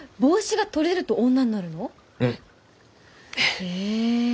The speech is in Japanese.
へえ。